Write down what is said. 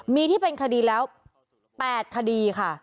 มีที่เป็นคดีแล้ว๘คดีค่ะ